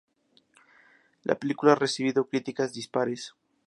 La película ha recibido críticas dispares.